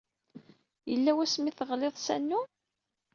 Yella wasmi ay teɣliḍ s anu?